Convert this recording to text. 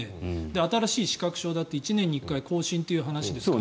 新しい資格証だって１年に１回更新という話ですから。